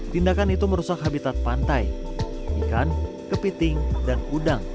tindakan itu merusak habitat pantai ikan kepiting dan udang